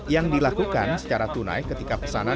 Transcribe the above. yang dilakukan secara tunai ketika pesanan